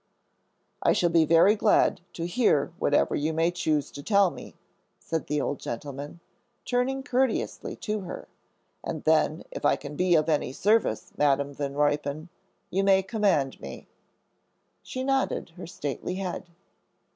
"I shall be very glad to hear whatever you may choose to tell me," said the old gentleman, turning courteously to her, "and then if I can be of any service, Madam Van Ruypen, you may command me." She nodded her stately head.